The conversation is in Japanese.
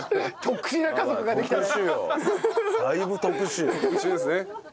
特殊ですね。